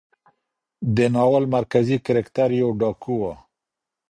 د ناول مرکزي کرکټر يو ډاکو و.